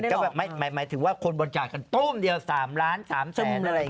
ก็แบบหมายถึงว่าคนบริจาคกันโต้มเดียว๓ล้าน๓ซุมอะไรอย่างนี้